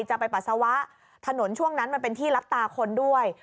จะไปปัสสาวะถนนช่วงนั้นมันเป็นที่รับตาคนด้วย